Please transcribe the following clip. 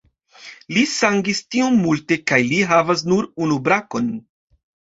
Li sangis tiom multe kaj li havas nur unu brakon.